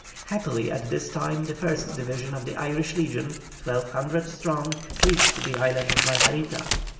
Happily at this time the first division of the Irish Legion, 1,200 strong, reached the island of Margarita.